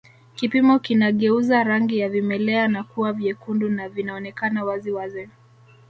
Kipimo kinageuza rangi ya vimelea na kuwa vyekundu na vinaonekana wazi wazi